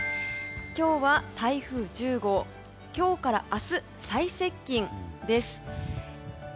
今日は、台風１０号今日から明日、最接近です。